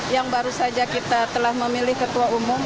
yang baru saja kita telah memilih ketua umum